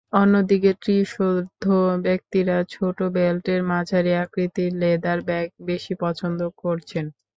অন্যদিকে ত্রিশোর্ধ্ব ব্যক্তিরা ছোট বেল্টের মাঝারি আকৃতির লেদার ব্যাগ বেশি পছন্দ করছেন।